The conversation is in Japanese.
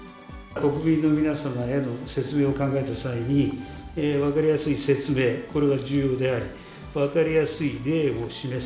国民の皆様への説明を考えた際に、分かりやすい説明、これが重要であり、分かりやすい例を示す。